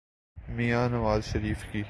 میاں نواز شریف کی۔